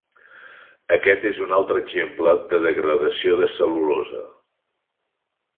Aquest és un altre exemple de degradació de cel·lulosa.